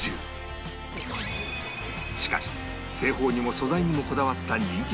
しかし製法にも素材にもこだわった人気商品